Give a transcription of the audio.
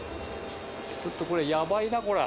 ちょっとこれ、やばいな、こりゃ。